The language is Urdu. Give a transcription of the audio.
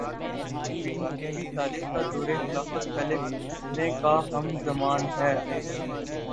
علی بن ابی طالب کا دور خلافت پہلے فتنے کا ہم زمان ہے